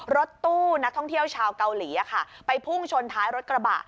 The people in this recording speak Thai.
รถตู้นักท่องเที่ยวชาวเกาหลีไปพุ่งชนท้ายรถกระบะ